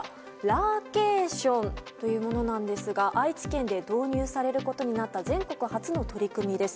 ラーケーションというものなんですが愛知県で導入されることになった全国初の取り組みです。